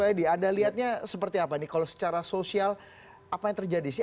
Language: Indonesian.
pak edi anda lihatnya seperti apa nih kalau secara sosial apa yang terjadi sih